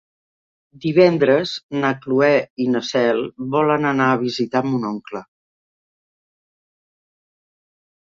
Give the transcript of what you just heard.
Divendres na Cloè i na Cel volen anar a visitar mon oncle.